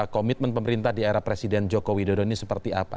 komitmen pemerintah di era presiden joko widodo ini seperti apa